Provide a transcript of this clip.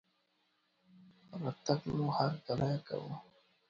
رتګ ته مو هرکلى وايو